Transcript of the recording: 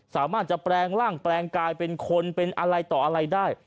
สามารถจะแปลงร่างแปลงกายเป็นคนเป็นอะไรต่ออะไรได้